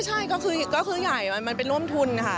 ใช่ก็คือใหญ่มันไปร่วมทุนค่ะ